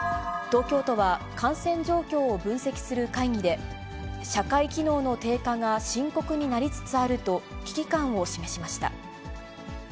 東京都は、感染状況を分析する会議で、社会機能の低下が深刻になりつつあると、危機感を示しました。